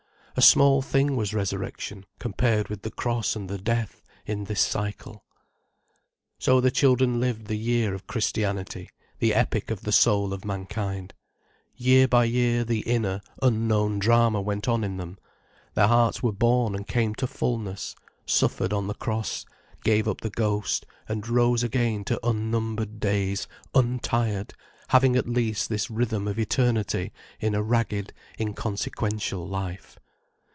A small thing was Resurrection, compared with the Cross and the death, in this cycle. So the children lived the year of christianity, the epic of the soul of mankind. Year by year the inner, unknown drama went on in them, their hearts were born and came to fulness, suffered on the cross, gave up the ghost, and rose again to unnumbered days, untired, having at least this rhythm of eternity in a ragged, inconsequential life.